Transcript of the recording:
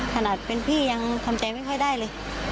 ขนาดเป็นพี่ยังทำใจไม่ค่อยได้เลย